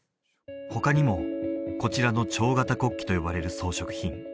他にもこちらの蝶形骨器と呼ばれる装飾品